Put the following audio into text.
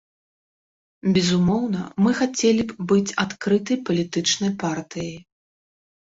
Безумоўна, мы хацелі б быць адкрытай палітычнай партыяй.